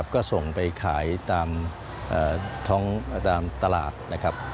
ก็ส่งไปขายตามตลาดนะครับ